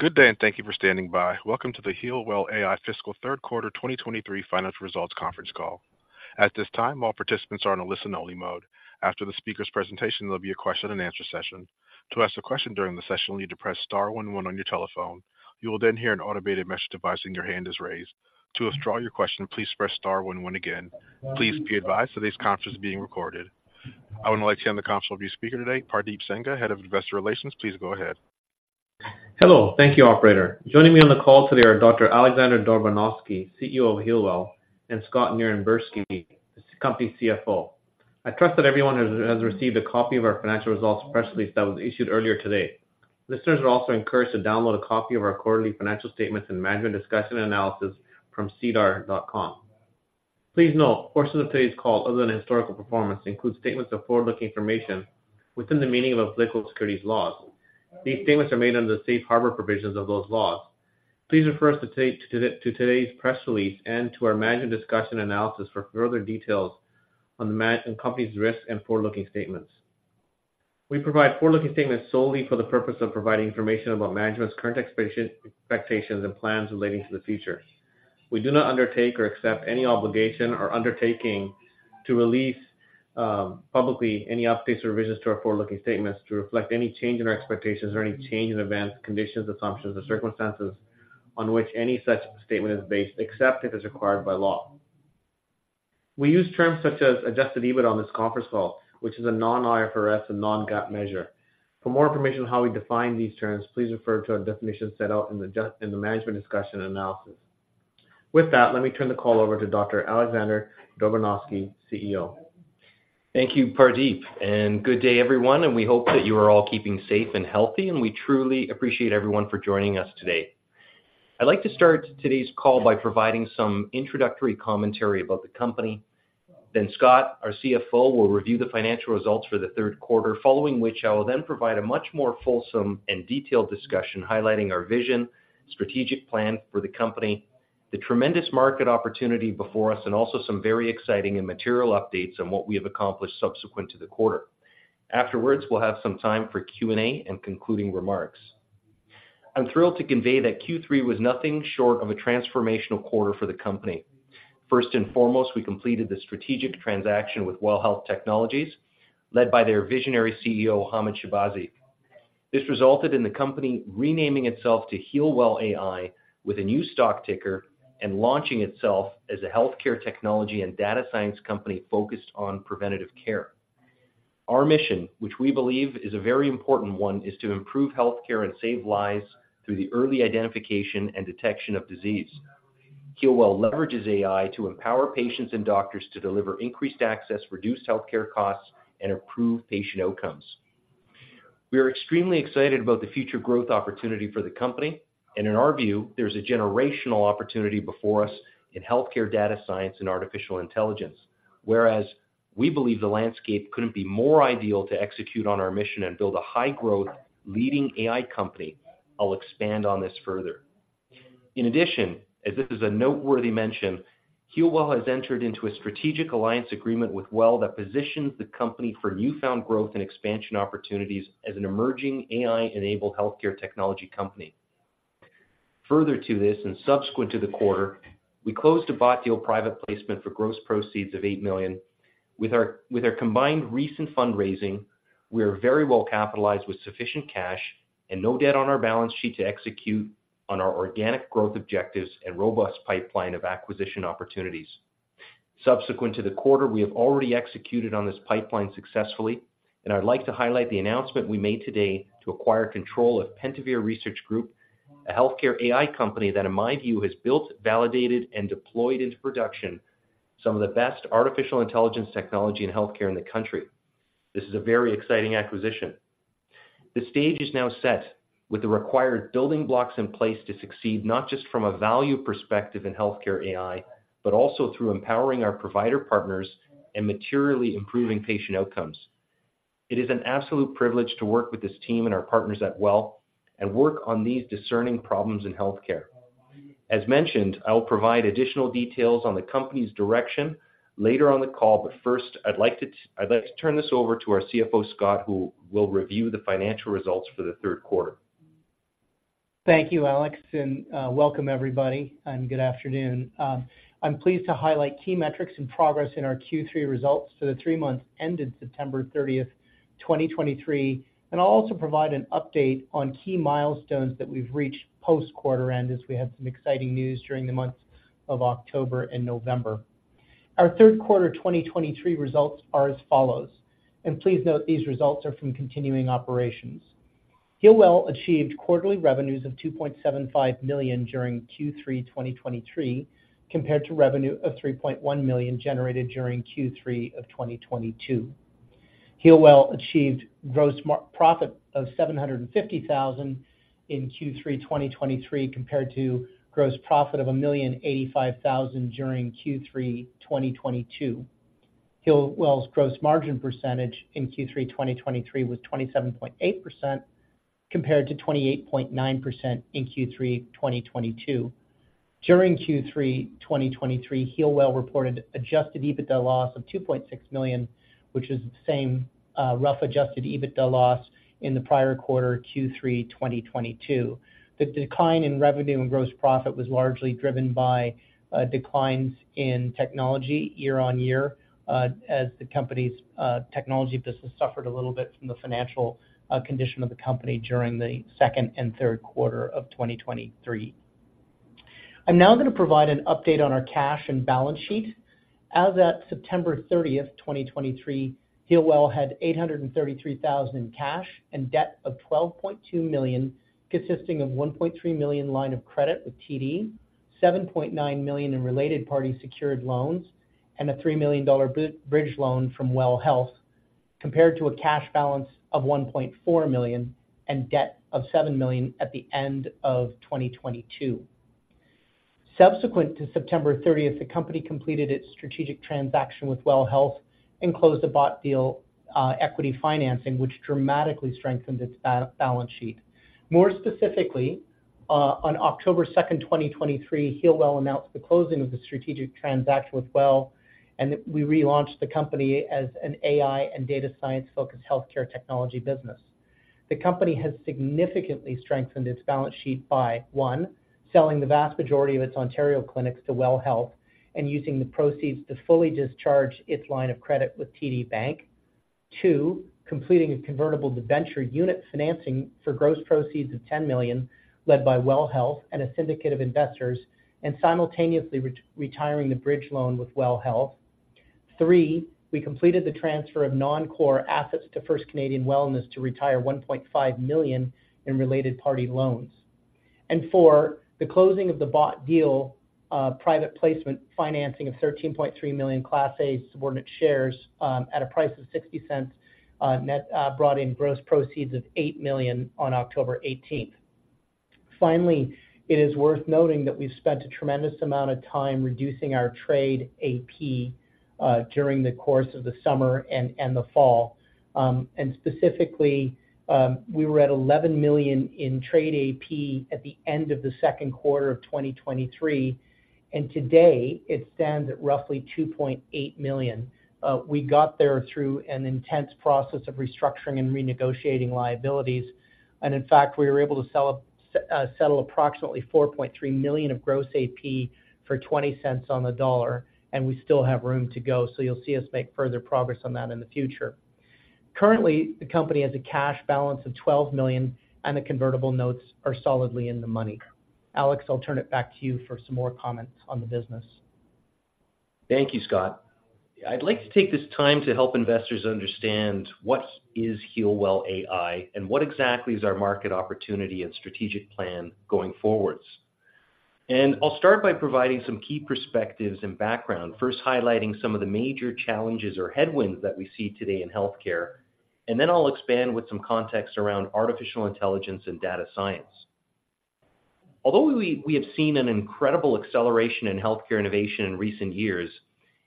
Good day, and thank you for standing by. Welcome to the HEALWELL AI Fiscal Q3 2023 Financial Results Conference Call. At this time, all participants are in a listen-only mode. After the speaker's presentation, there'll be a question-and-answer session. To ask a question during the session, you need to press star 1 1 on your telephone. You will then hear an automated message advising your hand is raised. To withdraw your question, please press star 1 1 again. Please be advised that this conference is being recorded. I would now like to hand the conference over to your speaker today, Pardeep Sangha, Head of Investor Relations. Please go ahead. Hello. Thank you, operator. Joining me on the call today are Dr. Alexander Dobranowski, CEO of HEALWELL, and Scott Nirenberski, the company's CFO. I trust that everyone has received a copy of our financial results press release that was issued earlier today. Listeners are also encouraged to download a copy of our quarterly financial statements and Management's Discussion and Analysis from sedar.com. Please note, portions of today's call, other than historical performance, include statements of forward-looking information within the meaning of applicable securities laws. These statements are made under the safe harbor provisions of those laws. Please refer to today's press release and to our Management's Discussion and Analysis for further details on the company's risks and forward-looking statements. We provide forward-looking statements solely for the purpose of providing information about management's current expectations and plans relating to the future. We do not undertake or accept any obligation or undertaking to release publicly any updates or revisions to our forward-looking statements to reflect any change in our expectations or any change in events, conditions, assumptions, or circumstances on which any such statement is based, except if it's required by law. We use terms such as adjusted EBIT on this conference call, which is a non-IFRS and non-GAAP measure. For more information on how we define these terms, please refer to our definition set out in the Management's Discussion and Analysis. With that, let me turn the call over to Dr. Alexander Dobranowski, CEO. Thank you, Pardeep, and good day, everyone, and we hope that you are all keeping safe and healthy, and we truly appreciate everyone for joining us today. I'd like to start today's call by providing some introductory commentary about the company. Then Scott, our CFO, will review the financial results for the Q3, following which I will then provide a much more fulsome and detailed discussion, highlighting our vision, strategic plan for the company, the tremendous market opportunity before us, and also some very exciting and material updates on what we have accomplished subsequent to the quarter. Afterwards, we'll have some time for Q&A and concluding remarks. I'm thrilled to convey that Q3 was nothing short of a transformational quarter for the company. First and foremost, we completed the strategic transaction with WELL Health Technologies, led by their visionary CEO, Hamed Shahbazi. This resulted in the company renaming itself to HEALWELL AI, with a new stock ticker and launching itself as a healthcare technology data science company focused on preventative care. Our mission, which we believe is a very important one, is to improve healthcare and save lives through the early identification and detection of disease. HEALWELL AI leverages AI to empower patients and doctors to deliver increased access, reduced healthcare costs, and improve patient outcomes. We are extremely excited about the future growth opportunity for the company, and in our view, there's a generational opportunity before us in artificial intelligence. Whereas we believe the landscape couldn't be more ideal to execute on our mission and build a high-growth, leading AI company. I'll expand on this further. In addition, as this is a noteworthy mention, HEALWELL has entered into a strategic alliance agreement with WELL that positions the company for newfound growth and expansion opportunities as an emerging AI-enabled healthcare technology company. Further to this, and subsequent to the quarter, we closed a bought deal private placement for gross proceeds of 8 million. With our combined recent fundraising, we are very well capitalized with sufficient cash and no debt on our balance sheet to execute on our organic growth objectives and robust pipeline of acquisition opportunities. Subsequent to the quarter, we have already executed on this pipeline successfully, and I'd like to highlight the announcement we made today to acquire control of Pentavere Research Group, a healthcare AI company that, in my view, has built, validated, and deployed into production some of the artificial intelligence technology in healthcare in the country. This is a very exciting acquisition. The stage is now set with the required building blocks in place to succeed, not just from a value perspective in healthcare AI, but also through empowering our provider partners and materially improving patient outcomes. It is an absolute privilege to work with this team and our partners at WELL and work on these discerning problems in healthcare. As mentioned, I will provide additional details on the company's direction later on the call, but first, I'd like to, I'd like to turn this over to our CFO, Scott, who will review the financial results for the Q3. Thank you, Alex, and welcome, everybody, and good afternoon. I'm pleased to highlight key metrics and progress in our Q3 results for the three months ended September 30, 2023, and I'll also provide an update on key milestones that we've reached post-quarter end, as we had some exciting news during the months of October and November. Our Q3 2023 results are as follows, and please note, these results are from continuing operations. HEALWELL achieved quarterly revenues of 2.75 million during Q3 2023, compared to revenue of 3.1 million generated during Q3 of 2022. HEALWELL achieved gross profit of 750,000 in Q3 2023, compared to gross profit of 1,085,000 during Q3 2022. HEALWELL's gross margin percentage in Q3 2023 was 27.8%, compared to 28.9% in Q3 2022. During Q3 2023, HEALWELL reported adjusted EBITDA loss of 2.6 million, which is the same, rough adjusted EBITDA loss in the prior quarter, Q3 2022. The decline in revenue and gross profit was largely driven by declines in technology year-on-year, as the company's technology business suffered a little bit from the financial condition of the company during the second and Q3 of 2023. I'm now going to provide an update on our cash and balance sheet. As at September 30th, 2023, HEALWELL had 833,000 in cash and debt of 12.2 million, consisting of 1.3 million line of credit with TD, 7.9 million in related party secured loans, and a 3 million dollar bridge loan from WELL Health, compared to a cash balance of 1.4 million and debt of 7 million at the end of 2022. Subsequent to September 30th, the company completed its strategic transaction with WELL Health and closed a bought deal equity financing, which dramatically strengthened its balance sheet. More specifically, on October 2nd, 2023, HEALWELL announced the closing of the strategic transaction with WELL, and we relaunched the company as an AI data science-focused healthcare technology business. The company has significantly strengthened its balance sheet by, 1, selling the vast majority of its Ontario clinics to WELL Health and using the proceeds to fully discharge its line of credit with TD Bank. 2, completing a convertible debenture unit financing for gross proceeds of 10 million, led by WELL Health and a syndicate of investors, and simultaneously retiring the bridge loan with WELL Health. 3, we completed the transfer of non-core assets to First Canadian Wellness to retire 1.5 million in related party loans. 4, the closing of the bought deal private placement financing of 13.3 million Class A subordinate shares at a price of 0.60 net brought in gross proceeds of 8 million on October 18th. Finally, it is worth noting that we've spent a tremendous amount of time reducing our trade AP during the course of the summer and the fall. And specifically, we were at 11 million in trade AP at the end of the Q2 of 2023, and today it stands at roughly 2.8 million. We got there through an intense process of restructuring and renegotiating liabilities. And in fact, we were able to settle approximately 4.3 million of gross AP for 0.20 on the dollar, and we still have room to go, so you'll see us make further progress on that in the future. Currently, the company has a cash balance of 12 million, and the convertible notes are solidly in the money. Alex, I'll turn it back to you for some more comments on the business. Thank you, Scott. I'd like to take this time to help investors understand what is HEALWELL AI and what exactly is our market opportunity and strategic plan going forward. I'll start by providing some key perspectives and background, first highlighting some of the major challenges or headwinds that we see today in healthcare, and then I'll expand with some context artificial intelligence data science. Although we have seen an incredible acceleration in healthcare innovation in recent years,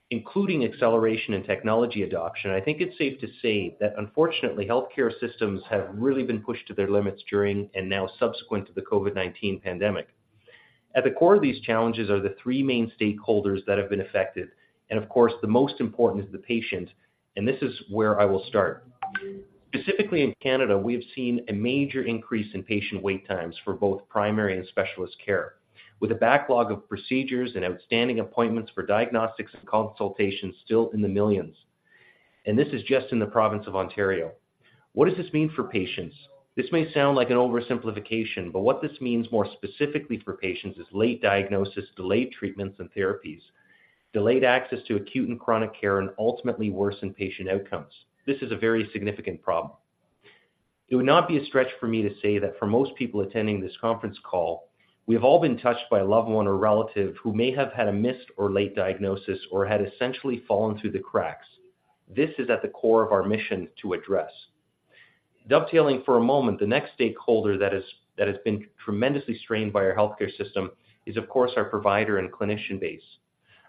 including acceleration in technology adoption, I think it's safe to say that unfortunately, healthcare systems have really been pushed to their limits during and now subsequent to the COVID-19 pandemic. At the core of these challenges are the three main stakeholders that have been affected, and of course, the most important is the patient, and this is where I will start. Specifically in Canada, we have seen a major increase in patient wait times for both primary and specialist care, with a backlog of procedures and outstanding appointments for diagnostics and consultations still in the millions. This is just in the province of Ontario. What does this mean for patients? This may sound like an oversimplification, but what this means more specifically for patients is late diagnosis, delayed treatments and therapies, delayed access to acute and chronic care, and ultimately worsened patient outcomes. This is a very significant problem. It would not be a stretch for me to say that for most people attending this conference call, we have all been touched by a loved one or relative who may have had a missed or late diagnosis or had essentially fallen through the cracks. This is at the core of our mission to address. Dovetailing for a moment, the next stakeholder that has been tremendously strained by our healthcare system is, of course, our provider and clinician base.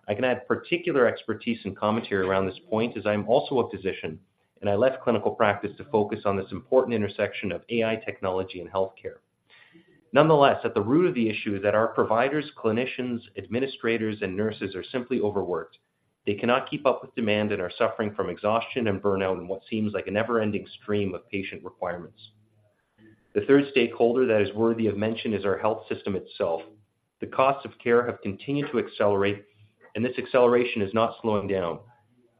I can add particular expertise and commentary around this point, as I am also a physician, and I left clinical practice to focus on this important intersection of AI technology and healthcare. Nonetheless, at the root of the issue is that our providers, clinicians, administrators, and nurses are simply overworked. They cannot keep up with demand and are suffering from exhaustion and burnout in what seems like a never-ending stream of patient requirements. The third stakeholder that is worthy of mention is our health system itself. The costs of care have continued to accelerate, and this acceleration is not slowing down.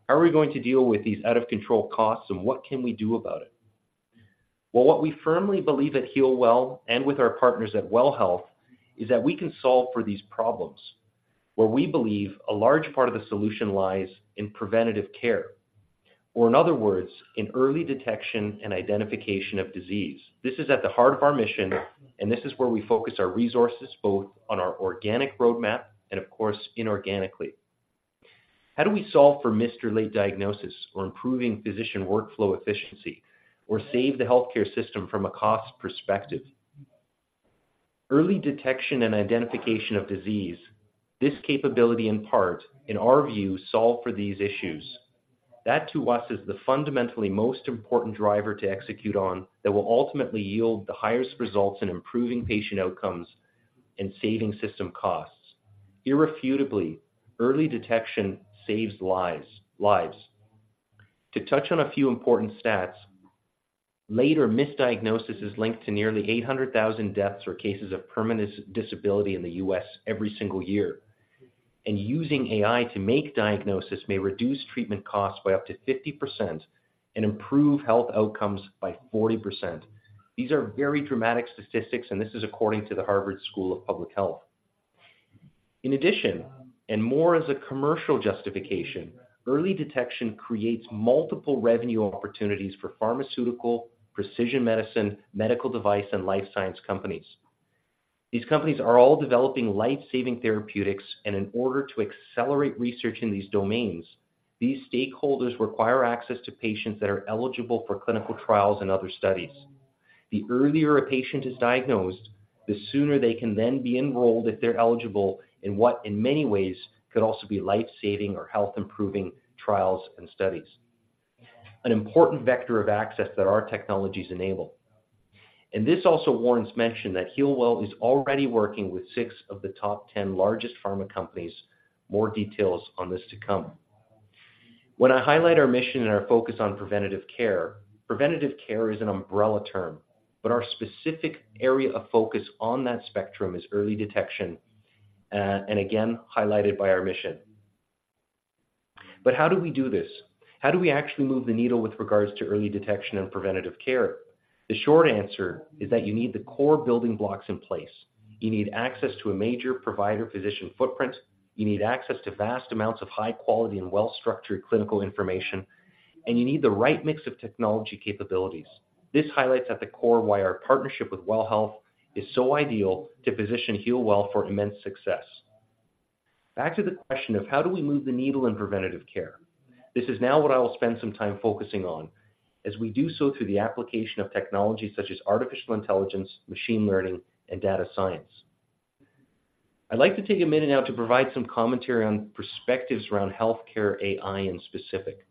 How are we going to deal with these out-of-control costs, and what can we do about it? Well, what we firmly believe at HEALWELL and with our partners at WELL Health is that we can solve for these problems, where we believe a large part of the solution lies in preventative care, or in other words, in early detection and identification of disease. This is at the heart of our mission, and this is where we focus our resources, both on our organic roadmap and, of course, inorganically. How do we solve for missed or late diagnosis, or improving physician workflow efficiency, or save the healthcare system from a cost perspective? Early detection and identification of disease. This capability, in part, in our view, solve for these issues. That to us is the fundamentally most important driver to execute on that will ultimately yield the highest results in improving patient outcomes and saving system costs. Irrefutably, early detection saves lives, lives. To touch on a few important stats, later misdiagnosis is linked to nearly 800,000 deaths or cases of permanent disability in the U.S. every single year. And using AI to make diagnosis may reduce treatment costs by up to 50% and improve health outcomes by 40%. These are very dramatic statistics, and this is according to the Harvard School of Public Health. In addition, and more as a commercial justification, early detection creates multiple revenue opportunities for pharmaceutical, precision medicine, medical device, and life science companies. These companies are all developing life-saving therapeutics, and in order to accelerate research in these domains, these stakeholders require access to patients that are eligible for clinical trials and other studies. The earlier a patient is diagnosed, the sooner they can then be enrolled, if they're eligible, in what in many ways could also be life-saving or health-improving trials and studies, an important vector of access that our technologies enable. This also warrants mention that HEALWELL is already working with six of the top ten largest pharma companies. More details on this to come. When I highlight our mission and our focus on preventative care, preventative care is an umbrella term, but our specific area of focus on that spectrum is early detection, and again, highlighted by our mission. But how do we do this? How do we actually move the needle with regards to early detection and preventative care? The short answer is that you need the core building blocks in place. You need access to a major provider physician footprint, you need access to vast amounts of high quality and well-structured clinical information, and you need the right mix of technology capabilities. This highlights at the core why our partnership with WELL Health is so ideal to position HEALWELL for immense success. Back to the question of how do we move the needle in preventative care? This is now what I will spend some time focusing on as we do so through the application of technologies such as machine learning, data science. I'd like to take a minute now to provide some commentary on perspectives around healthcare AI in specific.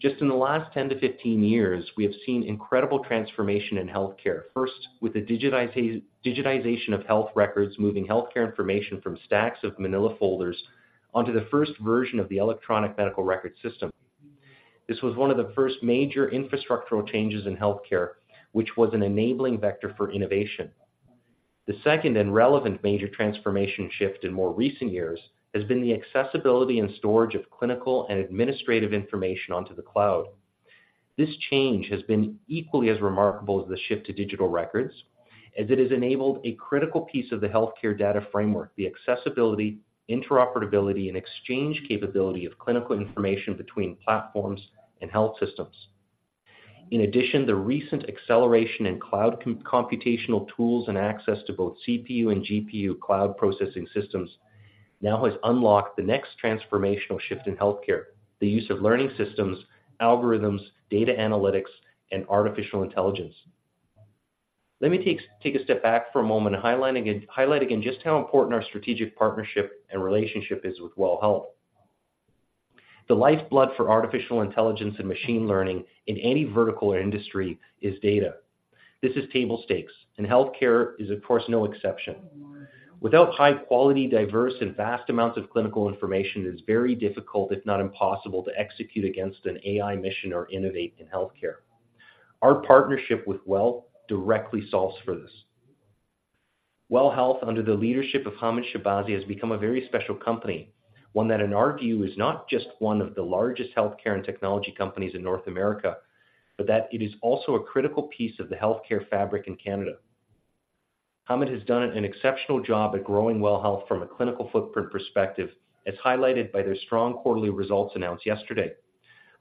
Just in the last 10-15 years, we have seen incredible transformation in healthcare. First, with the digitization of health records, moving healthcare information from stacks of manila folders onto the first version of the Electronic Medical Record system. This was one of the first major infrastructural changes in healthcare, which was an enabling vector for innovation. The second and relevant major transformation shift in more recent years has been the accessibility and storage of clinical and administrative information onto the cloud. This change has been equally as remarkable as the shift to digital records, as it has enabled a critical piece of the healthcare data framework, the accessibility, interoperability, and exchange capability of clinical information between platforms and health systems. In addition, the recent acceleration in cloud computational tools and access to both CPU and GPU cloud processing systems now has unlocked the next transformational shift in healthcare, the use of learning systems, algorithms, data analytics, and artificial intelligence. Let me take a step back for a moment and highlight again just how important our strategic partnership and relationship is with WELL Health. The lifeblood artificial intelligence machine learning in any vertical or industry is data. This is table stakes, and healthcare is, of course, no exception. Without high quality, diverse, and vast amounts of clinical information, it is very difficult, if not impossible, to execute against an AI mission or innovate in healthcare. Our partnership with WELL directly solves for this. WELL Health, under the leadership of Hamed Shahbazi, has become a very special company, one that in our view, is not just one of the largest healthcare and technology companies in North America, but that it is also a critical piece of the healthcare fabric in Canada. Hamed has done an exceptional job at growing WELL Health from a clinical footprint perspective, as highlighted by their strong quarterly results announced yesterday.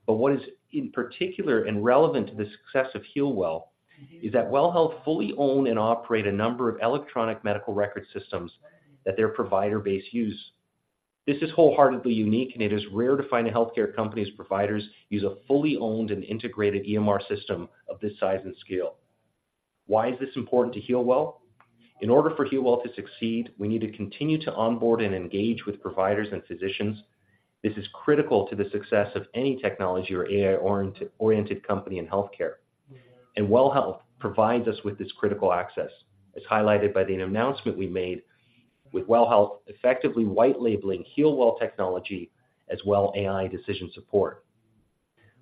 But what is in particular and relevant to the success of HEALWELL is that WELL Health fully own and operate a number of electronic medical record systems that their provider base use. This is wholeheartedly unique, and it is rare to find a healthcare company's providers use a fully owned and integrated EMR system of this size and scale. Why is this important to HEALWELL? In order for HEALWELL to succeed, we need to continue to onboard and engage with providers and physicians. This is critical to the success of any technology or AI-oriented company in healthcare. WELL Health provides us with this critical access, as highlighted by the announcement we made with WELL Health, effectively white labeling HEALWELL technology as WELL AI Decision Support.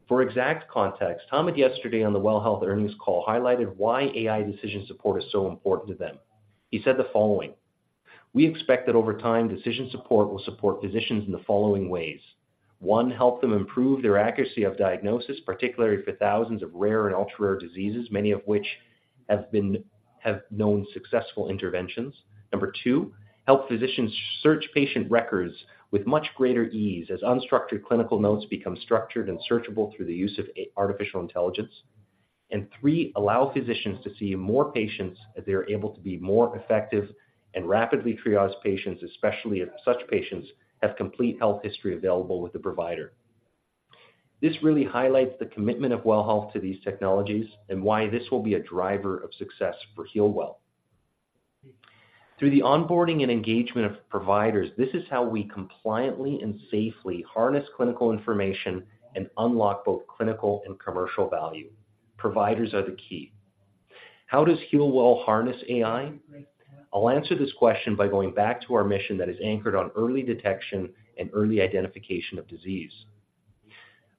For exact context, Hamed yesterday on the WELL Health earnings call highlighted why AI Decision Support is so important to them. He said the following: "We expect that over time, Decision Support will support physicians in the following ways. One, help them improve their accuracy of diagnosis, particularly for thousands of rare and ultra-rare diseases, many of which have known successful interventions. Number two, help physicians search patient records with much greater ease as unstructured clinical notes become structured and searchable through the use of artificial intelligence. And three, allow physicians to see more patients as they are able to be more effective and rapidly triage patients, especially if such patients have complete health history available with the provider." This really highlights the commitment of WELL Health to these technologies and why this will be a driver of success for HEALWELL. Through the onboarding and engagement of providers, this is how we compliantly and safely harness clinical information and unlock both clinical and commercial value. Providers are the key. How does HEALWELL harness AI? I'll answer this question by going back to our mission that is anchored on early detection and early identification of disease.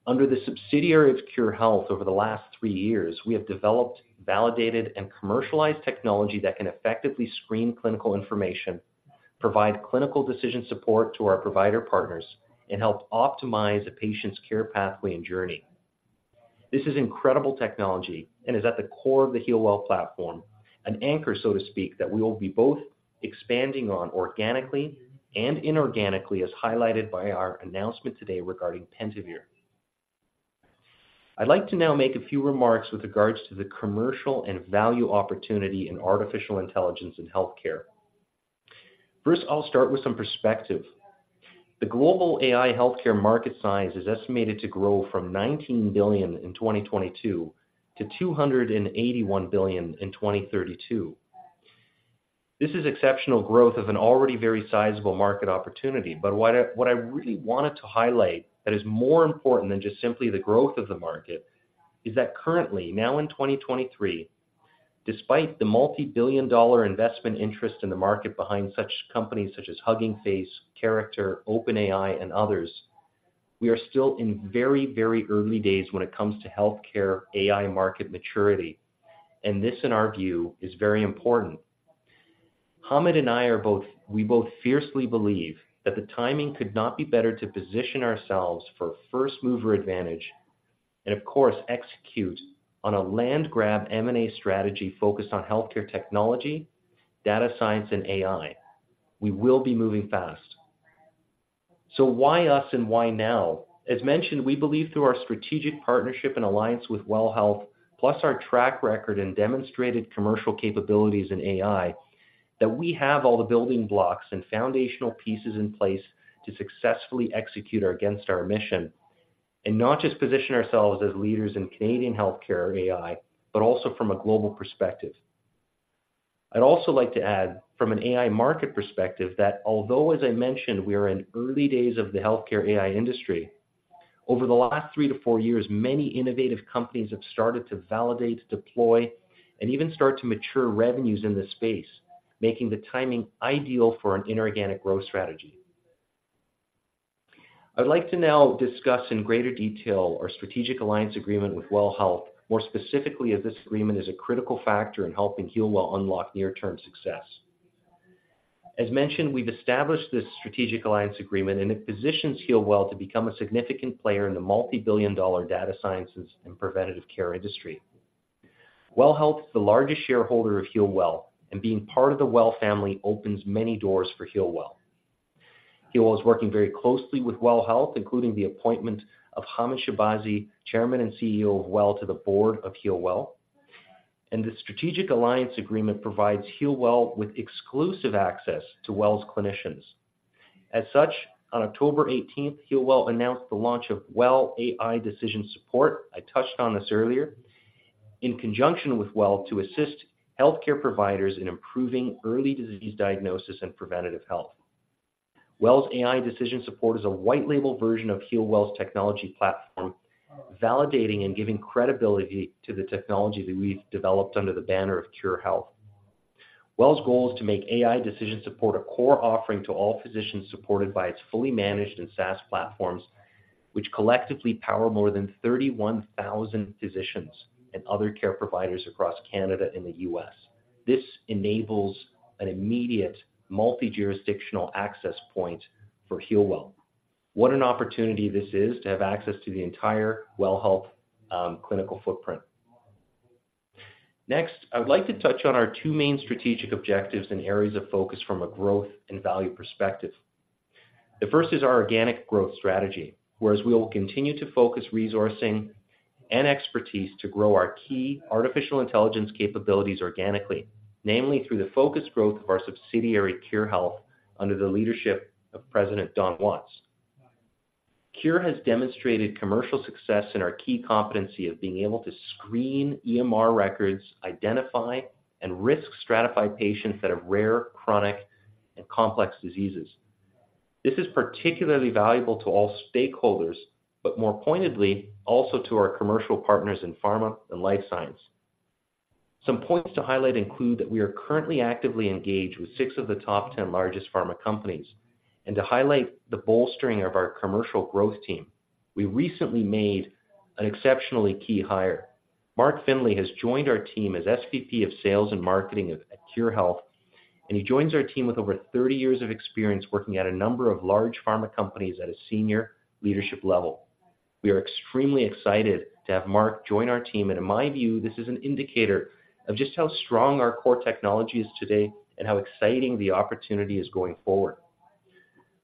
Under the subsidiary of Khure Health, over the last three years, we have developed, validated, and commercialized technology that can effectively screen clinical information, provide Clinical Decision Support to our provider partners, and help optimize a patient's care pathway and journey. This is incredible technology and is at the core of the HEALWELL platform, an anchor, so to speak, that we will be both expanding on organically and inorganically, as highlighted by our announcement today regarding Pentavere. I'd like to now make a few remarks with regards to the commercial and value opportunity artificial intelligence and healthcare. First, I'll start with some perspective. The global AI healthcare market size is estimated to grow from $19 billion in 2022 to $281 billion in 2032. This is exceptional growth of an already very sizable market opportunity. But what I, what I really wanted to highlight that is more important than just simply the growth of the market, is that currently, now in 2023, despite the $multi-billion-dollar investment interest in the market behind such companies such as Hugging Face, Character, OpenAI, and others, we are still in very, very early days when it comes to healthcare AI market maturity, and this, in our view, is very important. Hamed and I are both, we both fiercely believe that the timing could not be better to position ourselves for first-mover advantage and of course, execute on a land grab M&A strategy focused on healthcare data science, and AI. We will be moving fast. So why us and why now? As mentioned, we believe through our strategic partnership and alliance with WELL Health, plus our track record and demonstrated commercial capabilities in AI, that we have all the building blocks and foundational pieces in place to successfully execute against our mission, and not just position ourselves as leaders in Canadian healthcare AI, but also from a global perspective. I'd also like to add, from an AI market perspective, that although, as I mentioned, we are in early days of the healthcare AI industry, over the last 3-4 years, many innovative companies have started to validate, deploy, and even start to mature revenues in this space, making the timing ideal for an inorganic growth strategy. I'd like to now discuss in greater detail our strategic alliance agreement with WELL Health, more specifically, as this agreement is a critical factor in helping HEALWELL unlock near-term success. As mentioned, we've established this strategic alliance agreement, and it positions HEALWELL to become a significant player in the data sciences and preventative care industry. WELL Health is the largest shareholder of HEALWELL, and being part of the WELL family opens many doors for HEALWELL. HEALWELL is working very closely with WELL Health, including the appointment of Hamed Shahbazi, chairman and CEO of WELL, to the board of HEALWELL. The strategic alliance agreement provides HEALWELL with exclusive access to WELL's clinicians. As such, on October eighteenth, HEALWELL announced the launch of WELL AI Decision Support. I touched on this earlier. In conjunction with WELL, to assist healthcare providers in improving early disease diagnosis and preventative health. WELL's AI Decision Support is a white-label version of HEALWELL's technology platform, validating and giving credibility to the technology that we've developed under the banner of Khure Health. WELL's goal is to make AI Decision Support a core offering to all physicians, supported by its fully managed and SaaS platforms, which collectively power more than 31,000 physicians and other care providers across Canada and the U.S. This enables an immediate multi-jurisdictional access point for HEALWELL. What an opportunity this is to have access to the entire WELL Health clinical footprint. Next, I would like to touch on our two main strategic objectives and areas of focus from a growth and value perspective. The first is our organic growth strategy, whereas we will continue to focus resourcing and expertise to grow our artificial intelligence capabilities organically, namely through the focused growth of our subsidiary, Khure Health, under the leadership of President Don Watts. Khure has demonstrated commercial success in our key competency of being able to screen EMR records, identify and risk stratify patients that have rare, chronic, and complex diseases. This is particularly valuable to all stakeholders, but more pointedly, also to our commercial partners in pharma and life science. Some points to highlight include that we are currently actively engaged with six of the top 10 largest pharma companies. And to highlight the bolstering of our commercial growth team, we recently made an exceptionally key hire. Mark Findlay has joined our team as SVP of Sales and Marketing at Khure Health, and he joins our team with over 30 years of experience working at a number of large pharma companies at a senior leadership level. We are extremely excited to have Mark join our team, and in my view, this is an indicator of just how strong our core technology is today and how exciting the opportunity is going forward.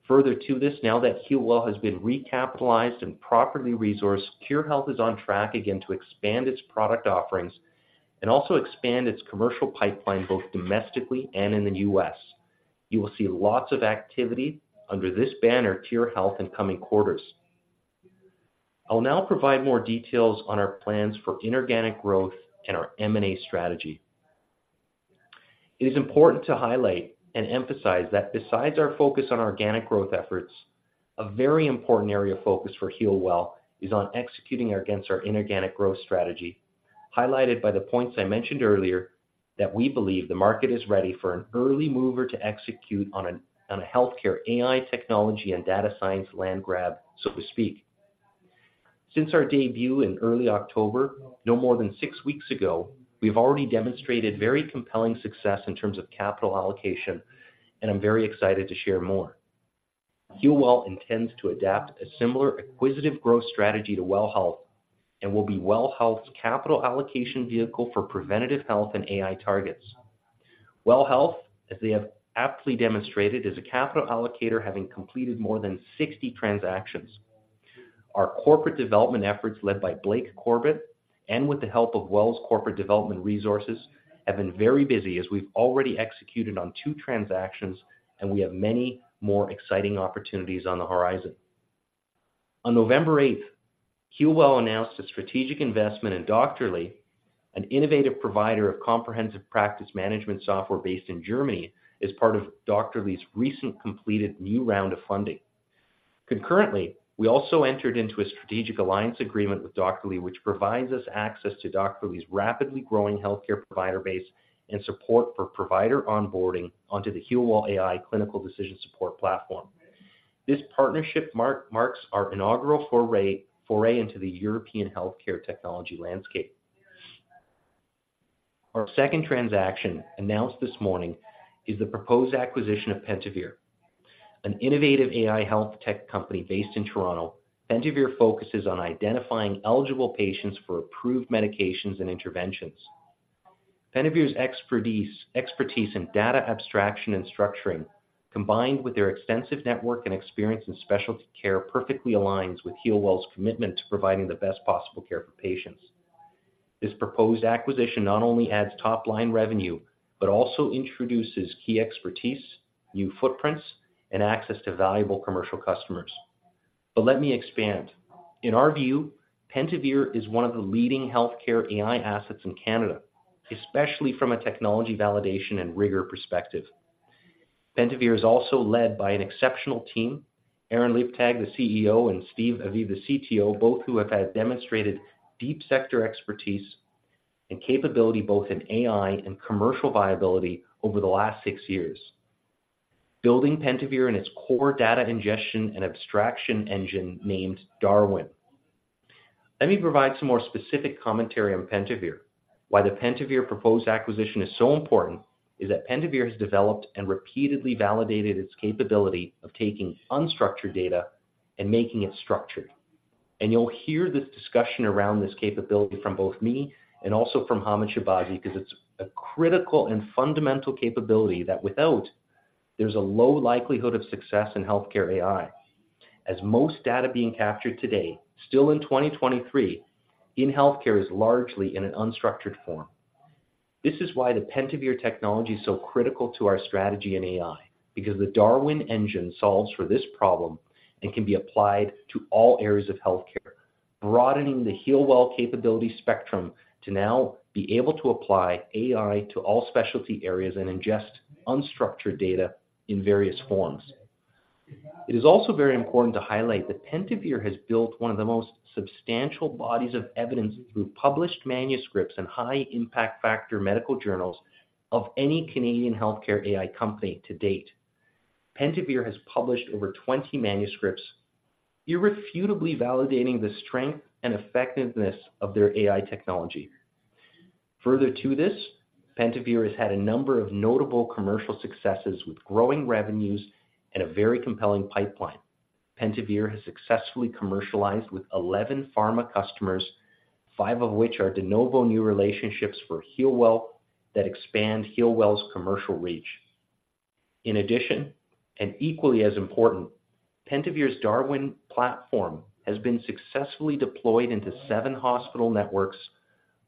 Further to this, now that HEALWELL has been recapitalized and properly resourced, Khure Health is on track again to expand its product offerings and also expand its commercial pipeline, both domestically and in the U.S. You will see lots of activity under this banner, Khure Health, in coming quarters. I'll now provide more details on our plans for inorganic growth and our M&A strategy. It is important to highlight and emphasize that besides our focus on organic growth efforts, a very important area of focus for HEALWELL is on executing against our inorganic growth strategy, highlighted by the points I mentioned earlier, that we believe the market is ready for an early mover to execute on a healthcare AI technology data science land grab, so to speak. Since our debut in early October, no more than six weeks ago, we've already demonstrated very compelling success in terms of capital allocation, and I'm very excited to share more. HEALWELL intends to adapt a similar acquisitive growth strategy to WELL Health, and will be WELL Health's capital allocation vehicle for preventative health and AI targets. WELL Health, as they have aptly demonstrated, is a capital allocator, having completed more than 60 transactions. Our corporate development efforts, led by Blake Corbet and with the help of WELL's corporate development resources, have been very busy, as we've already executed on two transactions, and we have many more exciting opportunities on the horizon. On November 8th, HEALWELL announced a strategic investment in Doctorly, an innovative provider of comprehensive practice management software based in Germany, as part of Doctorly's recent completed new round of funding. Concurrently, we also entered into a strategic alliance agreement with Doctorly, which provides us access to Doctorly's rapidly growing healthcare provider base and support for provider onboarding onto the HEALWELL AI Clinical Decision Support platform. This partnership marks our inaugural foray into the European healthcare technology landscape. Our second transaction, announced this morning, is the proposed acquisition of Pentavere, an innovative AI health tech company based in Toronto. Pentavere focuses on identifying eligible patients for approved medications and interventions. Pentavere's expertise, expertise in data abstraction and structuring, combined with their extensive network and experience in specialty care, perfectly aligns with HEALWELL's commitment to providing the best possible care for patients. This proposed acquisition not only adds top-line revenue, but also introduces key expertise, new footprints, and access to valuable commercial customers. But let me expand. In our view, Pentavere is one of the leading healthcare AI assets in Canada, especially from a technology validation and rigor perspective. Pentavere is also led by an exceptional team, Aaron Leibtag, the CEO, and Steve Aviv, the CTO, both who have had demonstrated deep sector expertise and capability, both in AI and commercial viability over the last six years, building Pentavere and its core data ingestion and abstraction engine, named DARWEN. Let me provide some more specific commentary on Pentavere. Why the Pentavere proposed acquisition is so important, is that Pentavere has developed and repeatedly validated its capability of taking unstructured data and making it structured. And you'll hear this discussion around this capability from both me and also from Hamed Shahbazi, because it's a critical and fundamental capability that without, there's a low likelihood of success in healthcare AI, as most data being captured today, still in 2023, in healthcare is largely in an unstructured form. This is why the Pentavere technology is so critical to our strategy in AI, because the DARWEN engine solves for this problem and can be applied to all areas of healthcare, broadening the HEALWELL capability spectrum to now be able to apply AI to all specialty areas and ingest unstructured data in various forms. It is also very important to highlight that Pentavere has built one of the most substantial bodies of evidence through published manuscripts in high impact factor medical journals of any Canadian healthcare AI company to date. Pentavere has published over 20 manuscripts, irrefutably validating the strength and effectiveness of their AI technology. Further to this, Pentavere has had a number of notable commercial successes, with growing revenues and a very compelling pipeline. Pentavere has successfully commercialized with 11 pharma customers, five of which are de novo new relationships for HEALWELL that expand HEALWELL's commercial reach. In addition, and equally as important, Pentavere's DARWEN platform has been successfully deployed into seven hospital networks,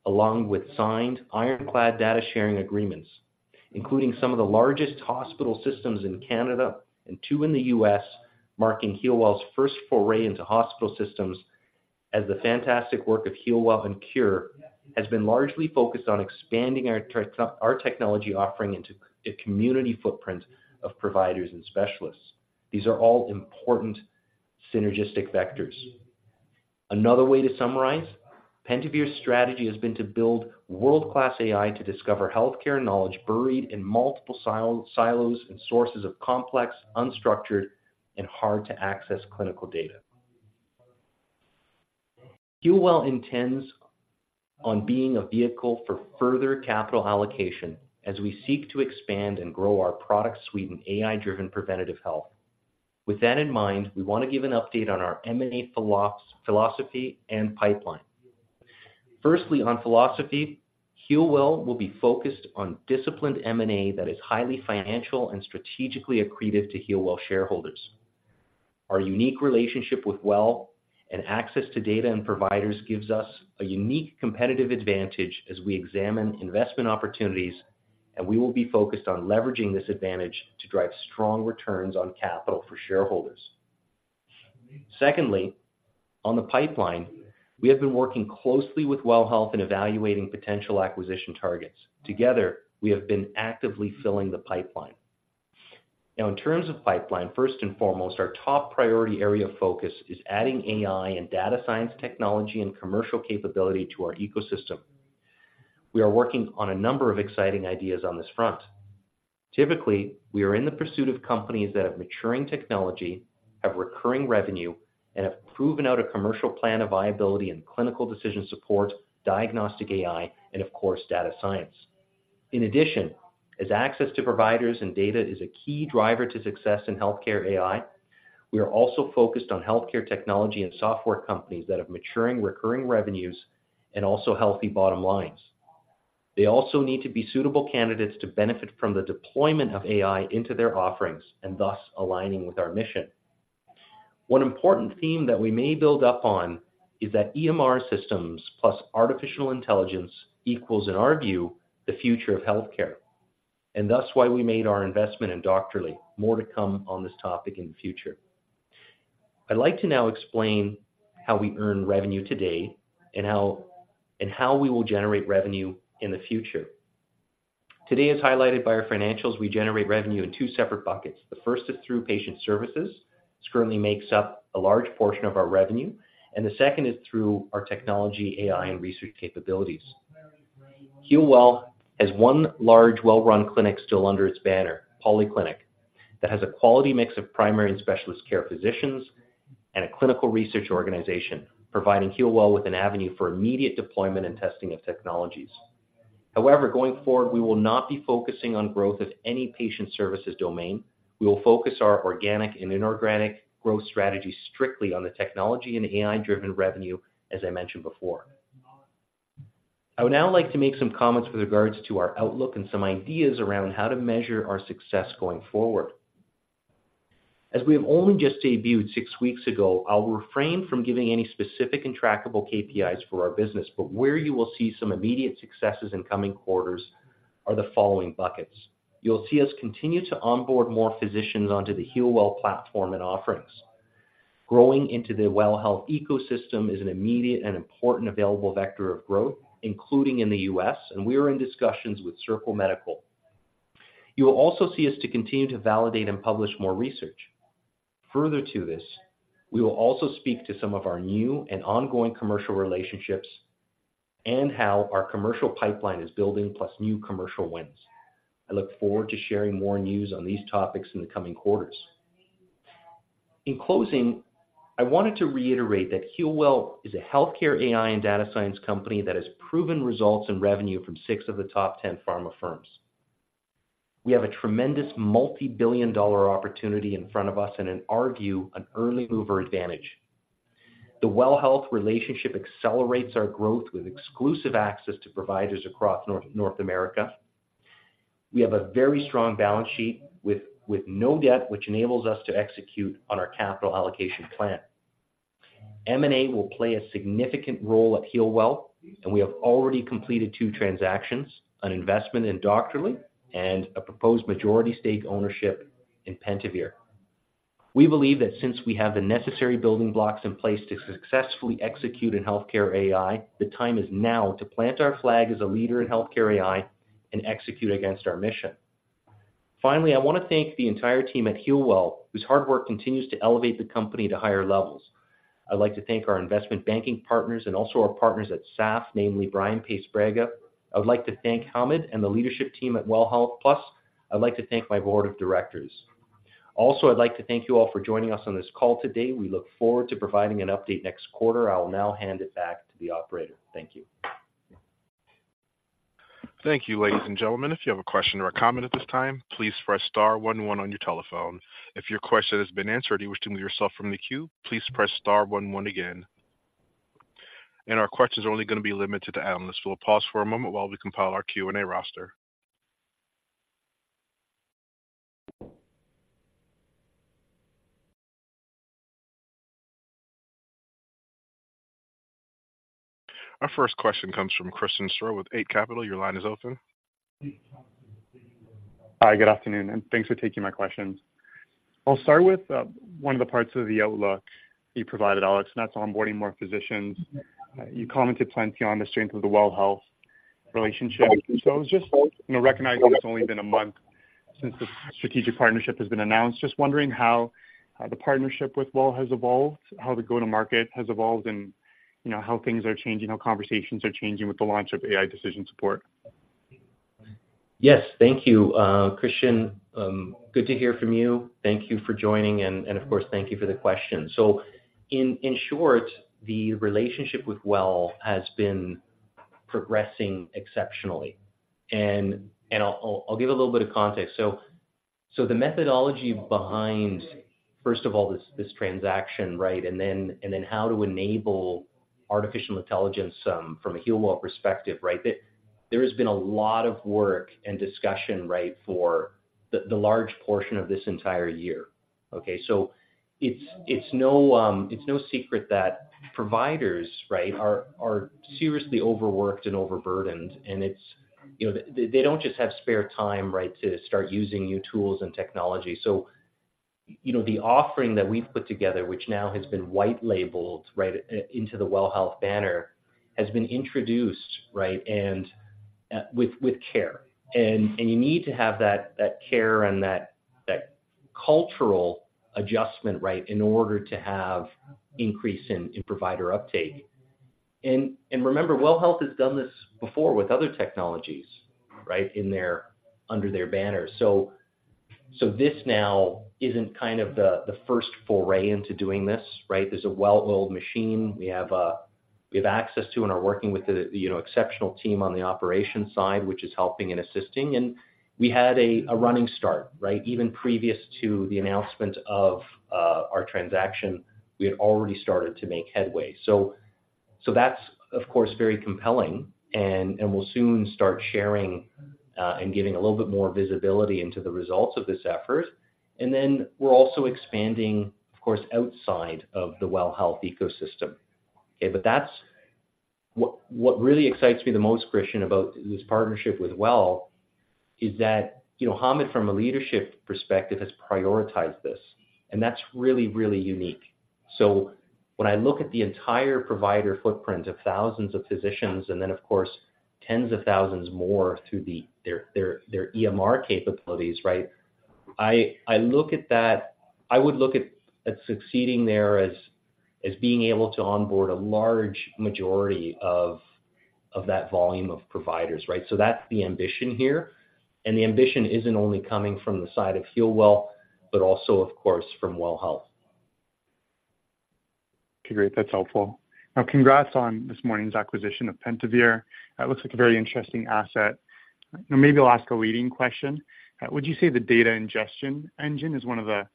along with signed ironclad data sharing agreements, including some of the largest hospital systems in Canada and two in the U.S., marking HEALWELL's first foray into hospital systems as the fantastic work of HEALWELL and Khure has been largely focused on expanding our technology offering into a community footprint of providers and specialists. These are all important synergistic vectors. Another way to summarize, Pentavere's strategy has been to build world-class AI to discover healthcare knowledge buried in multiple silos and sources of complex, unstructured, and hard-to-access clinical data. HEALWELL intends on being a vehicle for further capital allocation as we seek to expand and grow our product suite in AI-driven preventative health. With that in mind, we want to give an update on our M&A philosophy and pipeline. Firstly, on philosophy, HEALWELL will be focused on disciplined M&A that is highly financial and strategically accretive to HEALWELL shareholders. Our unique relationship with WELL and access to data and providers gives us a unique competitive advantage as we examine investment opportunities. and we will be focused on leveraging this advantage to drive strong returns on capital for shareholders. Secondly, on the pipeline, we have been working closely with WELL Health in evaluating potential acquisition targets. Together, we have been actively filling the pipeline. Now, in terms of pipeline, first and foremost, our top priority area of focus is adding AI data science technology and commercial capability to our ecosystem. We are working on a number of exciting ideas on this front. Typically, we are in the pursuit of companies that have maturing technology, have recurring revenue, and have proven out a commercial plan of viability and Clinical Decision Support, diagnostic AI, and of data science. In addition, as access to providers and data is a key driver to success in healthcare AI, we are also focused on healthcare technology and software companies that have maturing, recurring revenues and also healthy bottom lines. They also need to be suitable candidates to benefit from the deployment of AI into their offerings, and thus aligning with our mission. One important theme that we may build up on is that EMR systems artificial intelligence equals, in our view, the future of healthcare, and thus why we made our investment in Doctorly. More to come on this topic in the future. I'd like to now explain how we earn revenue today and how we will generate revenue in the future. Today, as highlighted by our financials, we generate revenue in two separate buckets. The first is through patient services, this currently makes up a large portion of our revenue, and the second is through our technology, AI, and research capabilities. HEALWELL has one large, well-run clinic still under its banner, Polyclinic, that has a quality mix of primary and specialist care physicians and a clinical research organization, providing HEALWELL with an avenue for immediate deployment and testing of technologies. However, going forward, we will not be focusing on growth of any patient services domain. We will focus our organic and inorganic growth strategy strictly on the technology and AI-driven revenue, as I mentioned before. I would now like to make some comments with regards to our outlook and some ideas around how to measure our success going forward. As we have only just debuted six weeks ago, I'll refrain from giving any specific and trackable KPIs for our business, but where you will see some immediate successes in coming quarters are the following buckets: You'll see us continue to onboard more physicians onto the HEALWELL platform and offerings. Growing into the WELL Health ecosystem is an immediate and important available vector of growth, including in the U.S., and we are in discussions with Circle Medical. You will also see us to continue to validate and publish more research. Further to this, we will also speak to some of our new and ongoing commercial relationships and how our commercial pipeline is building, plus new commercial wins. I look forward to sharing more news on these topics in the coming quarters. In closing, I wanted to reiterate that HEALWELL is a healthcare AI data science company that has proven results in revenue from six of the top ten pharma firms. We have a tremendous multibillion-dollar opportunity in front of us, and in our view, an early mover advantage. The WELL Health relationship accelerates our growth with exclusive access to providers across North America. We have a very strong balance sheet with no debt, which enables us to execute on our capital allocation plan. M&A will play a significant role at HEALWELL, and we have already completed two transactions, an investment in Doctorly and a proposed majority stake ownership in Pentavere. We believe that since we have the necessary building blocks in place to successfully execute in healthcare AI, the time is now to plant our flag as a leader in healthcare AI and execute against our mission. Finally, I want to thank the entire team at HEALWELL, whose hard work continues to elevate the company to higher levels. I'd like to thank our investment banking partners and also our partners at SAF, namely Brian Paes-Braga. I would like to thank Hamed and the leadership team at WELL Health. Plus, I'd like to thank my board of directors. Also, I'd like to thank you all for joining us on this call today. We look forward to providing an update next quarter. I will now hand it back to the operator. Thank you. Thank you, ladies and gentlemen. If you have a question or a comment at this time, please press star 1 1 on your telephone. If your question has been answered and you wish to remove yourself from the queue, please press star 1 1 again. Our questions are only going to be limited to analysts. We'll pause for a moment while we compile our Q&A roster. Our first question comes from Christian Sgro with Eight Capital. Your line is open. Hi, good afternoon, and thanks for taking my questions. I'll start with one of the parts of the outlook you provided, Alex, and that's onboarding more physicians. You commented plenty on the strength of the WELL Health relationship. So I was just, you know, recognizing it's only been a month since the strategic partnership has been announced, just wondering how the partnership with WELL Health has evolved, how the go-to-market has evolved, and you know, how things are changing, how conversations are changing with the launch of AI Decision Support? Yes, thank you, Christian. Good to hear from you. Thank you for joining, and of course, thank you for the question. So in short, the relationship with WELL has been progressing exceptionally. And I'll give a little bit of context. So the methodology behind, first of all, this transaction, right? And then how to artificial intelligence from a HEALWELL perspective, right? There has been a lot of work and discussion, right, for the large portion of this entire year. Okay, so it's no secret that providers, right, are seriously overworked and overburdened, and it's, you know, they don't just have spare time, right, to start using new tools and technology. So, you know, the offering that we've put together, which now has been white labeled, right, into the WELL Health banner, has been introduced, right, and with care. And you need to have that care and that cultural adjustment, right, in order to have increase in provider uptake. And remember, WELL Health has done this before with other technologies, right, under their banner. So this now isn't kind of the first foray into doing this, right? There's a well-oiled machine. We have access to and are working with the, you know, exceptional team on the operations side, which is helping and assisting. And we had a running start, right? Even previous to the announcement of our transaction, we had already started to make headway. So that's, of course, very compelling, and we'll soon start sharing and giving a little bit more visibility into the results of this effort. And then we're also expanding, of course, outside of the WELL Health ecosystem. Okay, but that's what really excites me the most, Christian, about this partnership with WELL: you know, Hamed, from a leadership perspective, has prioritized this, and that's really, really unique. So when I look at the entire provider footprint of thousands of physicians and then, of course, tens of thousands more through their EMR capabilities, right? I look at that. I would look at succeeding there as being able to onboard a large majority of that volume of providers, right? So that's the ambition here. The ambition isn't only coming from the side of HEALWELL, but also, of course, from WELL Health. Okay, great. That's helpful. Now, congrats on this morning's acquisition of Pentavere. That looks like a very interesting asset. Now, maybe I'll ask a leading question: would you say the data ingestion engine is one of the,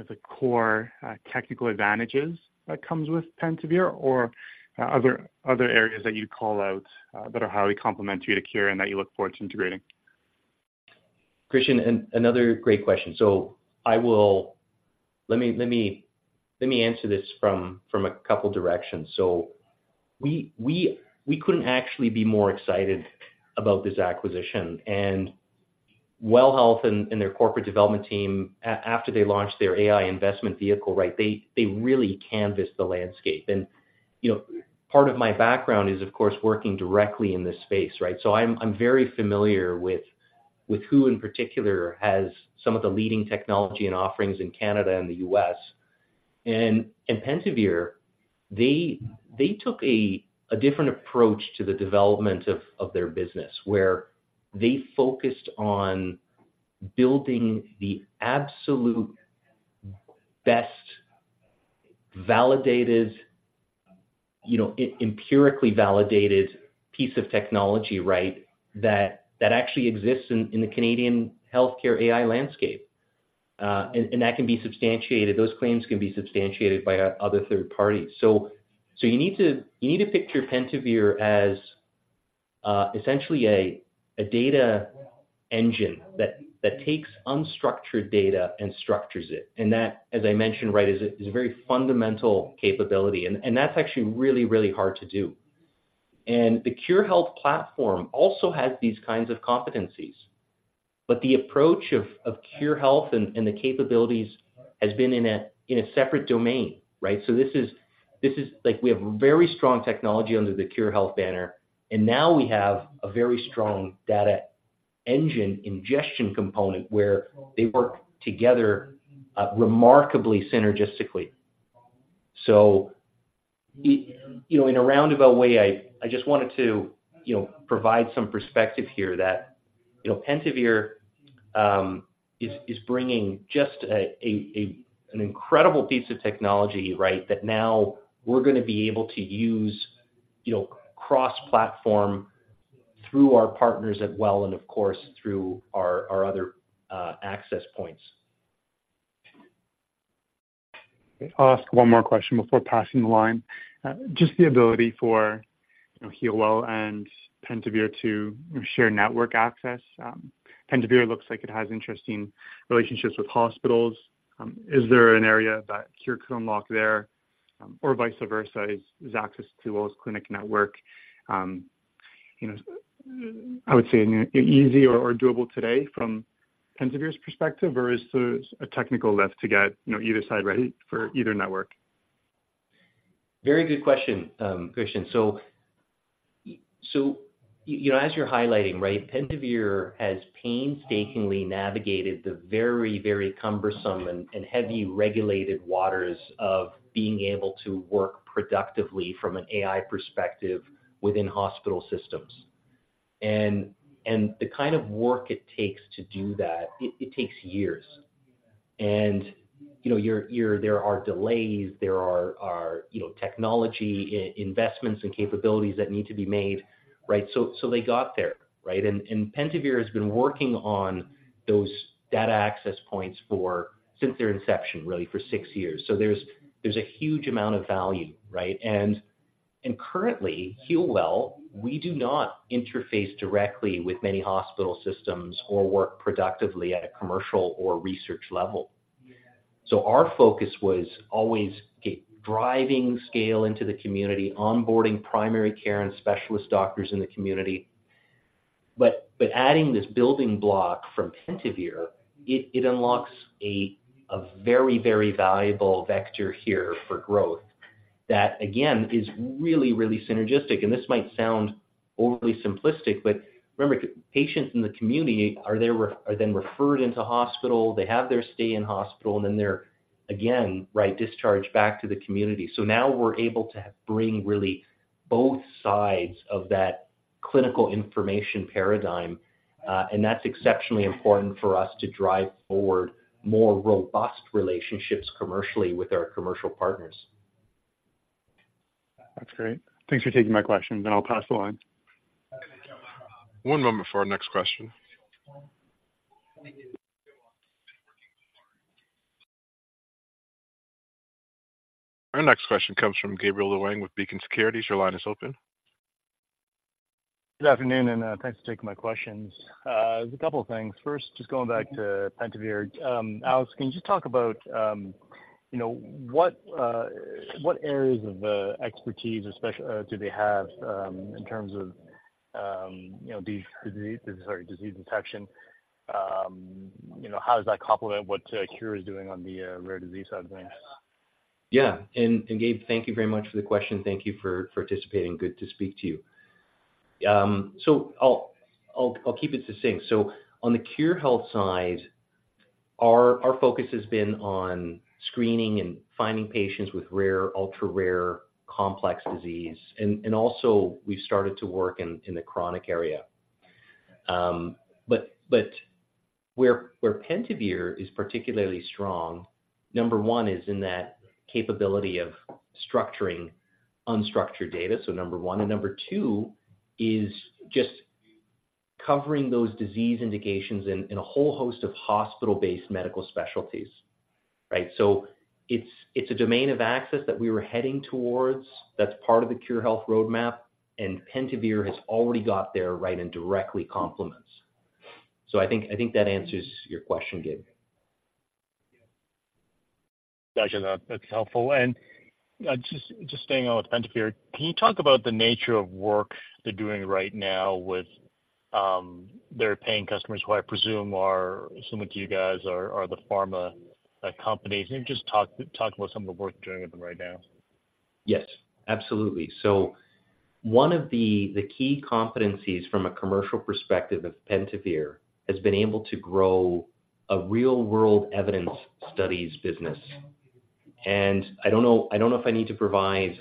of the core, technical advantages that comes with Pentavere or are other, other areas that you'd call out, that are highly complementary to Khure and that you look forward to integrating? Christian, another great question. Let me answer this from a couple directions. So we couldn't actually be more excited about this acquisition. And WELL Health and their corporate development team, after they launched their AI investment vehicle, right, they really canvassed the landscape. And, you know, part of my background is, of course, working directly in this space, right? So I'm very familiar with who, in particular, has some of the leading technology and offerings in Canada and the U.S. And Pentavere, they took a different approach to the development of their business, where they focused on building the absolute best validated, you know, empirically validated piece of technology, right, that actually exists in the Canadian healthcare AI landscape. And that can be substantiated. Those claims can be substantiated by other third parties. So you need to picture Pentavere as essentially a data engine that takes unstructured data and structures it. And that, as I mentioned, right, is a very fundamental capability, and that's actually really, really hard to do. And the Khure Health platform also has these kinds of competencies, but the approach of Khure Health and the capabilities has been in a separate domain, right? So this is like, we have very strong technology under the Khure Health banner, and now we have a very strong data engine ingestion component where they work together remarkably synergistically. So, you know, in a roundabout way, I just wanted to, you know, provide some perspective here that, you know, Pentavere is bringing just an incredible piece of technology, right, that now we're gonna be able to use, you know, cross-platform through our partners at WELL and, of course, through our other access points. I'll ask one more question before passing the line. Just the ability for, you know, HEALWELL and Pentavere to share network access. Pentavere looks like it has interesting relationships with hospitals. Is there an area that Khure can unlock there, or vice versa? Is access to WELL's clinic network, you know, I would say, easy or doable today from Pentavere's perspective, or is there a technical lift to get, you know, either side ready for either network? Very good question, Christian. So, you know, as you're highlighting, right, Pentavere has painstakingly navigated the very, very cumbersome and heavily regulated waters of being able to work productively from an AI perspective within hospital systems. And the kind of work it takes to do that, it takes years. And, you know, there are delays, there are you know, technology investments and capabilities that need to be made, right? So, they got there, right? And Pentavere has been working on those data access points for since their inception, really, for six years. So there's a huge amount of value, right? And currently, HEALWELL, we do not interface directly with many hospital systems or work productively at a commercial or research level. So our focus was always get driving scale into the community, onboarding primary care and specialist doctors in the community. But, but adding this building block from Pentavere, it, it unlocks a, a very, very valuable vector here for growth that, again, is really, really synergistic. And this might sound overly simplistic, but remember, patients in the community are there are then referred into hospital, they have their stay in hospital, and then they're again, right, discharged back to the community. So now we're able to bring really both sides of that clinical information paradigm, and that's exceptionally important for us to drive forward more robust relationships commercially with our commercial partners. That's great. Thanks for taking my question, and I'll pass the line. One moment for our next question. Our next question comes from Gabriel Leung with Beacon Securities. Your line is open. Good afternoon, and, thanks for taking my questions. There's a couple of things. First, just going back to Pentavere, Alex, can you just talk about, you know, what, what areas of expertise, especially, do they have, in terms of, you know, disease, sorry, disease detection? You know, how does that complement what, Khure is doing on the, rare disease side of things? Yeah. And Gabe, thank you very much for the question. Thank you for participating. Good to speak to you. So I'll keep it succinct. So on the Khure Health side, our focus has been on screening and finding patients with rare, ultra-rare, complex disease. And also we've started to work in the chronic area. But where Pentavere is particularly strong, number one, is in that capability of structuring unstructured data. So number one. And number two is just covering those disease indications in a whole host of hospital-based medical specialties, right? So it's a domain of access that we were heading towards, that's part of the Khure Health roadmap, and Pentavere has already got there, right, and directly complements. So I think that answers your question, Gabe. Gotcha. That's helpful. And, just staying on with Pentavere, can you talk about the nature of work they're doing right now with their paying customers, who I presume are similar to you guys, are the pharma companies? And just talk about some of the work they're doing with them right now. Yes, absolutely. So one of the key competencies from a commercial perspective of Pentavere has been able to grow a real-world evidence studies business. And I don't know if I need to provide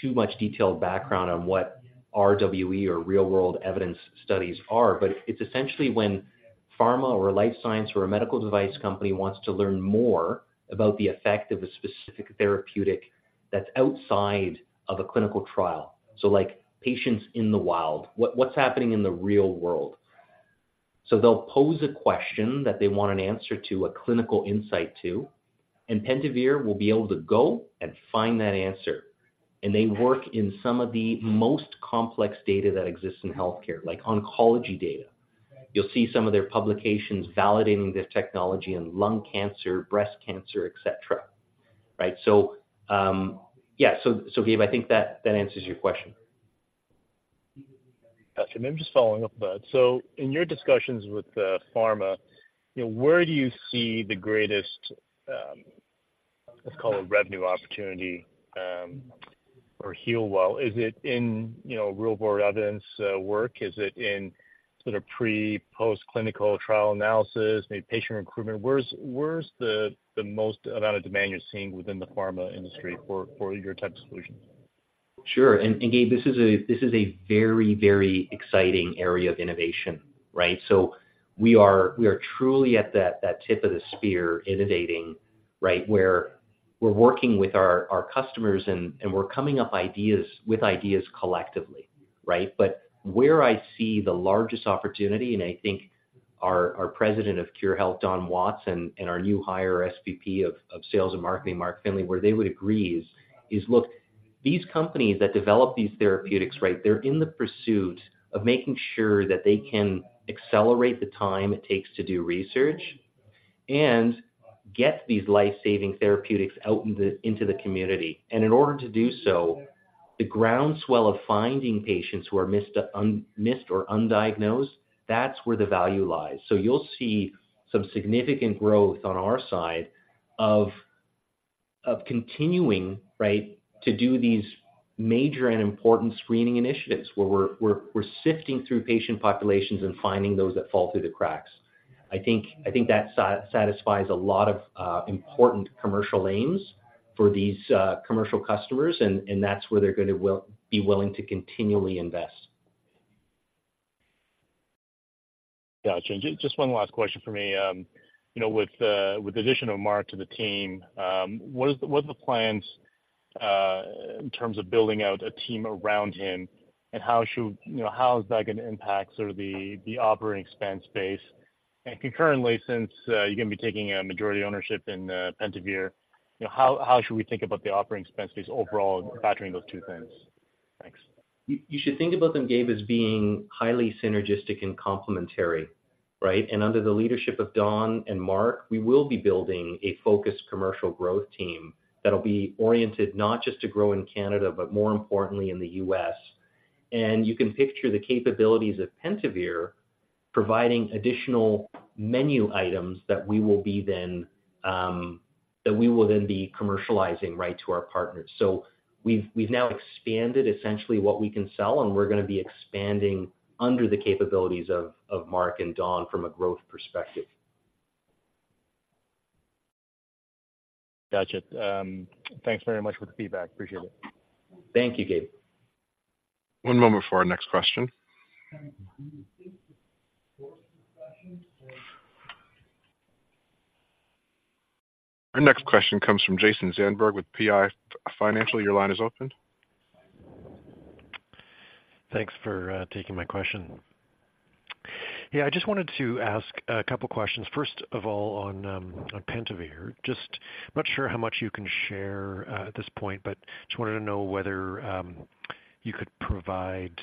too much detailed background on what RWE or real-world evidence studies are, but it's essentially when pharma or a life science or a medical device company wants to learn more about the effect of a specific therapeutic that's outside of a clinical trial. So like, patients in the wild, what's happening in the real world. So they'll pose a question that they want an answer to, a clinical insight to, and Pentavere will be able to go and find that answer. And they work in some of the most complex data that exists in healthcare, like oncology data. You'll see some of their publications validating their technology in lung cancer, breast cancer, et cetera. Right, so, yeah. So, so Gabe, I think that, that answers your question. Gotcha. Maybe just following up on that. So in your discussions with pharma, you know, where do you see the greatest, let's call it revenue opportunity, for HEALWELL? Is it in, you know, real-world evidence work? Is it in sort of pre, post-clinical trial analysis, maybe patient recruitment? Where's the most amount of demand you're seeing within the pharma industry for your type of solutions? Sure. And, and Gabe, this is a, this is a very, very exciting area of innovation, right? So we are, we are truly at that, that tip of the spear innovating, right? Where we're working with our, our customers, and, and we're coming up ideas, with ideas collectively, right? But where I see the largest opportunity, and I think our, our president of Khure Health, Don Watts, and our new hire, SVP of Sales and Marketing, Mark Findlay, where they would agree is, is look, these companies that develop these therapeutics, right, they're in the pursuit of making sure that they can accelerate the time it takes to do research and get these life-saving therapeutics out into the, into the community. And in order to do so, the groundswell of finding patients who are missed or undiagnosed, that's where the value lies. So you'll see some significant growth on our side of continuing, right, to do these major and important screening initiatives, where we're sifting through patient populations and finding those that fall through the cracks. I think that satisfies a lot of important commercial aims for these commercial customers, and that's where they're gonna be willing to continually invest. Gotcha. And just one last question for me. You know, with the addition of Mark to the team, what is the, what are the plans in terms of building out a team around him? And how should you know, how is that going to impact sort of the, the operating expense base? And concurrently, since you're gonna be taking a majority ownership in Pentavere, you know, how, how should we think about the operating expense base overall, factoring those two things? Thanks. You, you should think about them, Gabe, as being highly synergistic and complementary, right? And under the leadership of Don and Mark, we will be building a focused commercial growth team that'll be oriented not just to grow in Canada, but more importantly, in the U.S. And you can picture the capabilities of Pentavere providing additional menu items that we will be then, that we will then be commercializing, right, to our partners. So we've, we've now expanded essentially what we can sell, and we're gonna be expanding under the capabilities of, of Mark and Don from a growth perspective. Gotcha. Thanks very much for the feedback. Appreciate it. Thank you, Gabe. One moment for our next question. Our next question comes from Jason Zandberg with PI Financial. Your line is open. Thanks for taking my question. Yeah, I just wanted to ask a couple questions. First of all, on Pentavere. Just, I'm not sure how much you can share at this point, but just wanted to know whether you could provide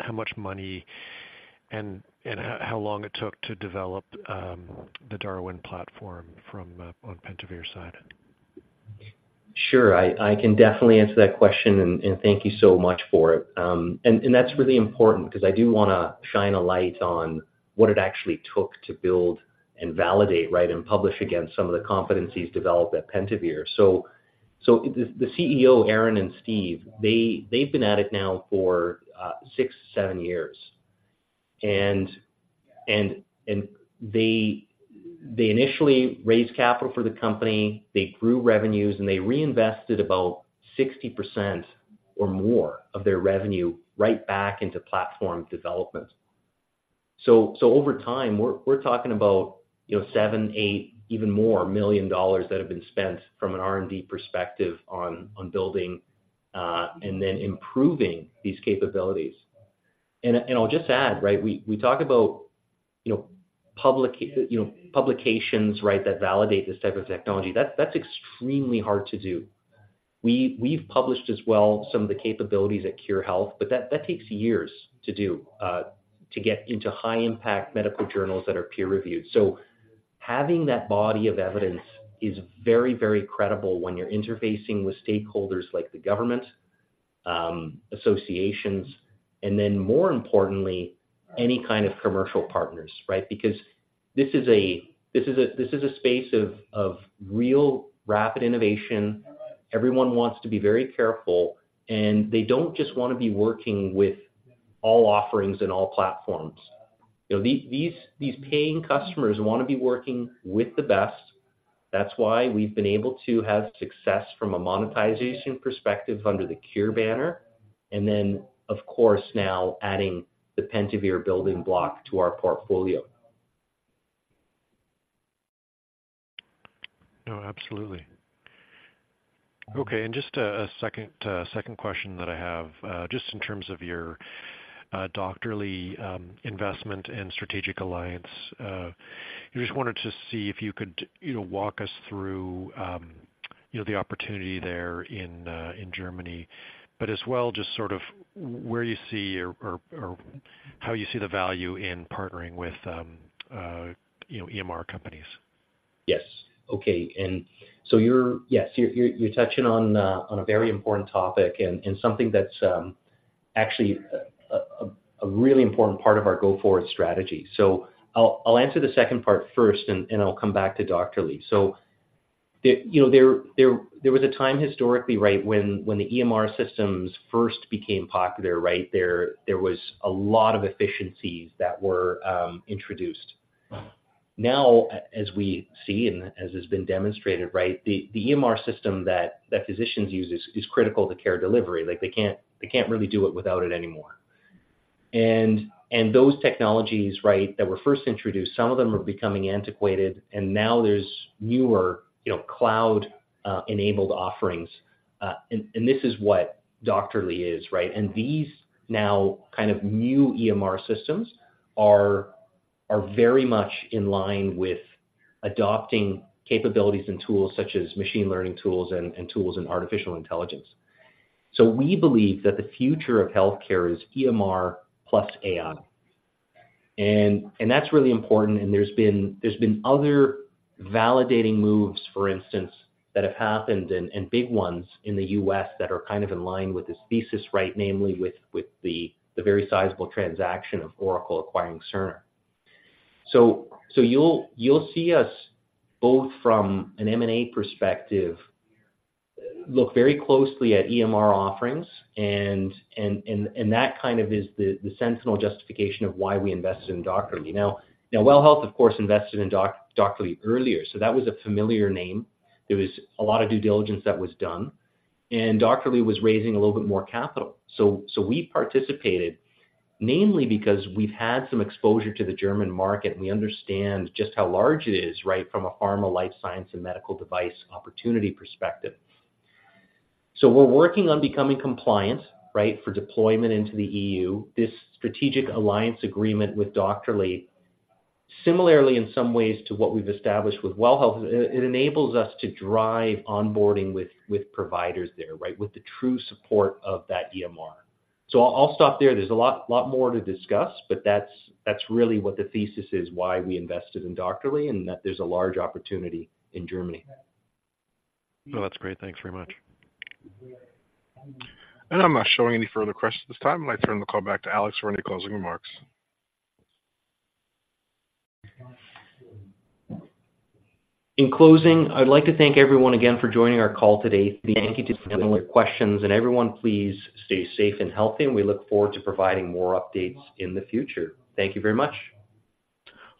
how much money and how long it took to develop the DARWEN platform from on Pentavere's side? Sure. I can definitely answer that question, and thank you so much for it. And that's really important because I do wanna shine a light on what it actually took to build and validate, right, and publish against some of the competencies developed at Pentavere. So the CEO, Aaron and Steve, they've been at it now for 6-7 years. And they initially raised capital for the company, they grew revenues, and they reinvested about 60% or more of their revenue right back into platform development. So over time, we're talking about, you know, 7 million, 8 million, even more that have been spent from an R&D perspective on building and then improving these capabilities. I'll just add, right, we talk about, you know, public – you know, publications, right, that validate this type of technology. That's extremely hard to do. We've published as well some of the capabilities at Khure Health, but that takes years to do to get into high-impact medical journals that are peer-reviewed. So having that body of evidence is very, very credible when you're interfacing with stakeholders like the government, associations, and then, more importantly, any kind of commercial partners, right? Because this is a space of real rapid innovation. Everyone wants to be very careful, and they don't just wanna be working with all offerings and all platforms. You know, these paying customers wanna be working with the best. That's why we've been able to have success from a monetization perspective under the Khure banner, and then, of course, now adding the Pentavere building block to our portfolio. No, absolutely. Okay, and just a second question that I have, just in terms of your Doctorly investment and strategic alliance. I just wanted to see if you could, you know, walk us through, you know, the opportunity there in Germany, but as well, just sort of where you see or how you see the value in partnering with, you know, EMR companies. Yes. Okay. And so you're touching on a very important topic and something that's actually a really important part of our go-forward strategy. So I'll answer the second part first, and I'll come back to Doctorly. So you know, there was a time historically, right, when the EMR systems first became popular, right, there was a lot of efficiencies that were introduced. Now, as we see and as has been demonstrated, right, the EMR system that physicians use is critical to care delivery. Like, they can't really do it without it anymore. And those technologies, right, that were first introduced, some of them are becoming antiquated, and now there's newer, you know, cloud-enabled offerings. And this is what Doctorly is, right? These now kind of new EMR systems are very much in line with adopting capabilities and tools such machine learning tools and tools artificial intelligence. So we believe that the future of healthcare is EMR plus AI. And that's really important, and there's been other validating moves, for instance, that have happened, and big ones in the U.S. that are kind of in line with this thesis, right? Namely, with the very sizable transaction of Oracle acquiring Cerner. So you'll see us, both from an M&A perspective, look very closely at EMR offerings, and that kind of is the central justification of why we invested in Doctorly. Now, WELL Health, of course, invested in Doctorly earlier, so that was a familiar name. There was a lot of due diligence that was done, and Doctorly was raising a little bit more capital. So we participated, mainly because we've had some exposure to the German market, and we understand just how large it is, right, from a pharma, life science, and medical device opportunity perspective. So we're working on becoming compliant, right, for deployment into the EU. This strategic alliance agreement with Doctorly, similarly, in some ways to what we've established with WELL Health, it enables us to drive onboarding with, with providers there, right, with the true support of that EMR. So I'll stop there. There's a lot, lot more to discuss, but that's really what the thesis is, why we invested in Doctorly, and that there's a large opportunity in Germany. Well, that's great. Thanks very much. I'm not showing any further questions at this time. I'd like to turn the call back to Alex for any closing remarks. In closing, I'd like to thank everyone again for joining our call today. Thank you for your questions, and everyone, please stay safe and healthy, and we look forward to providing more updates in the future. Thank you very much.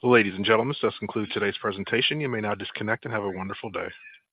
Ladies and gentlemen, this concludes today's presentation. You may now disconnect and have a wonderful day.